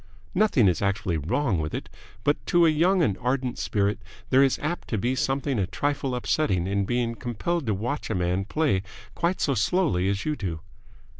"Nothing is actually wrong with it, but to a young and ardent spirit there is apt to be something a trifle upsetting in being, compelled to watch a man play quite so slowly as you do.